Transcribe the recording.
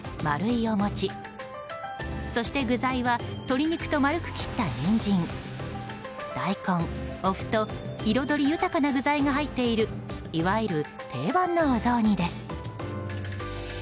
丸いお餅、そして具材は鶏肉と丸く切ったニンジン大根、おふと彩り豊かな具材が入っているいわゆる定番のお雑煮です。